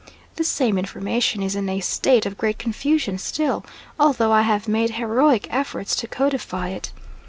This same information is in a state of great confusion still, although I have made heroic efforts to codify it.